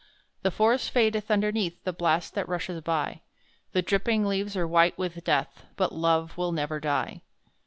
The forest fadeth underneath The blast that rushes by The dripping leaves are white with death, But Love will never die!